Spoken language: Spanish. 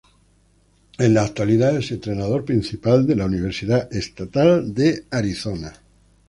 En la actualidad es entrenador principal de la Universidad de Arizona State.